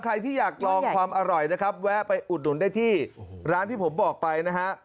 ใครที่อยากลองความอร่อยนะครับแวะไปอุดหนุนได้ที่ร้านที่ผมบอกไปนะฮะ